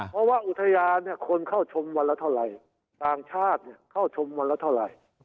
เพราะว่าอุทยานเนี้ยคนเข้าชมวันแล้วเท่าไรต่างชาติเนี้ยเข้าชมวันแล้วเท่าไร